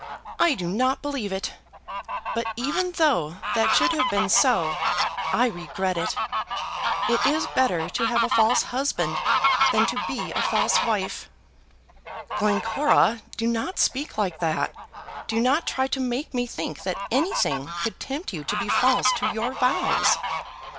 I do not believe it; but even though that should have been so, I regret it. It is better to have a false husband than to be a false wife." "Glencora, do not speak like that. Do not try to make me think that anything could tempt you to be false to your vows."